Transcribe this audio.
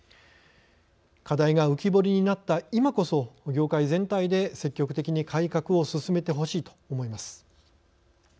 課題が浮き彫りになった今こそ業界全体で積極的に改革を進めてほしいと思います。